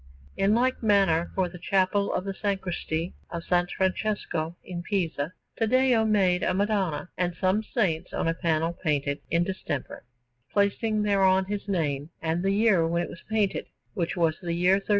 In like manner, for the Chapel of the Sacristy of S. Francesco in Pisa Taddeo made a Madonna and some saints on a panel painted in distemper, placing thereon his name and the year when it was painted, which was the year 1394.